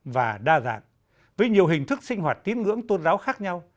và đa dạng với nhiều hình thức sinh hoạt tín ngưỡng tôn giáo khác nhau